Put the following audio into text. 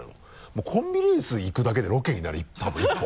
もうコンビニエンス行くだけでロケになる多分１本。